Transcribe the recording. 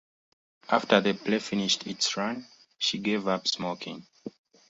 After the play finished its run, she gave up smoking.